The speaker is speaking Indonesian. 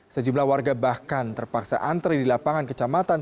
sejumlah warga bahkan terpaksa antre di lapangan kecamatan